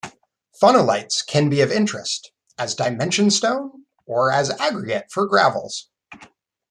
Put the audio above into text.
Phonolites can be of interest as dimension stone or as aggregate for gravels.